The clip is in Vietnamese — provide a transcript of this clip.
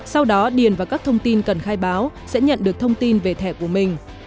sau đó điền và các thông tin cần khai báo sẽ nhận được thông tin về thẻ của mình